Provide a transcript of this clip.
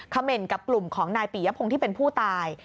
คอมเมนต์กับกลุ่มของนายปียะพงที่เป็นผู้ตาย